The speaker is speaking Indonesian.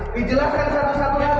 dijelaskan satu satu lama